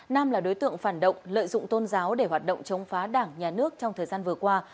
nam là đối tượng phản động lợi dụng tôn giáo để hoạt động chống phá đảng nhà nước trong thời gian vừa qua